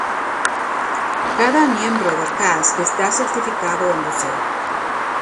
Cada miembro del cast está certificado en buceo.